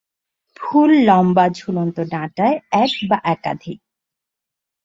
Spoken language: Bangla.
ফুল লম্বা ঝুলন্ত ডাঁটায় এক বা একাধিক।